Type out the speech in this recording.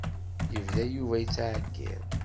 Yebda Yuba yettɛeyyiḍ.